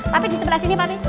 tapi di sebelah sini mami